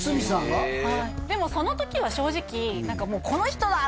はいでもその時は正直「この人だ！」